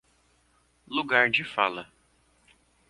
Lugar de fala